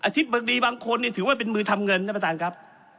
ธิบดีบางคนถือว่าเป็นมือทำเงินท่านประธานครับ